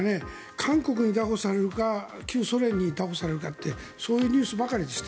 韓国にだ捕されるか旧ソ連にだ捕されるかってそういうニュースばかりでした。